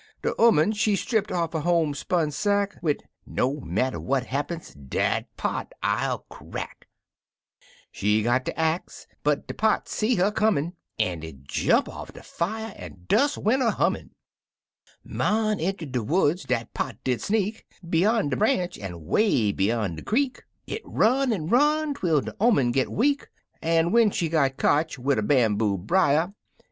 De 'oman, she strip off her homespun sack, Wid "No matter what happen, dat pot I'll crack I" She got de ax, but de pot see her comin', An' it jump off de fier, an' des went a hummin' ; Mon, inter de woods dat pot did sneak, Beyan de branch an' way beyan de creek; It run an' run twel de 'oman get weak, An' when she got cotch wid a bamboo brier.